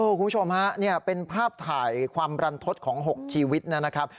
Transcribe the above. คุณผู้ชมฮะนี่เป็นภาพถ่ายความรันทศของ๖ชีวิตนะครับ